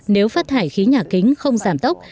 nếu phát thải khí nhà kính không giảm tốc